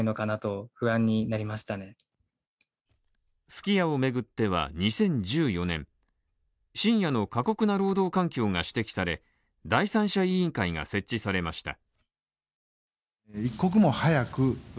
すき家を巡っては２０１４年深夜の過酷な労働環境が指摘され、第三者委員会が設置されました。